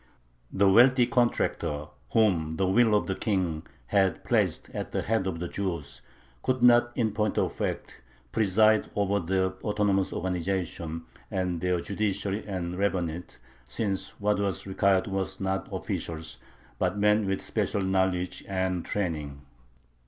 The wealthy contractor, whom the will of the King had placed at the head of the Jews, could not in point of fact preside over their autonomous organization and their judiciary and rabbinate, since what was required was not officials, but men with special knowledge and training.